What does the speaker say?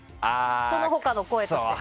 その他の声として。